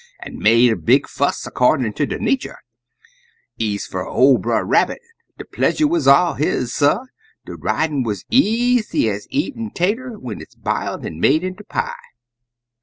An' made a big fuss accordin' ter der natur'; Ez fer ol' Brer Rabbit, de pleasure wuz all his, suh De ridin' wuz easy ez eatin' tater When it's b'iled an' made inter pie!